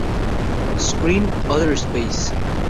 Screen "Other Space".